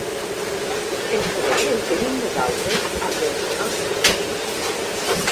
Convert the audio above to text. El poder el tenim nosaltres amb els nostres vots.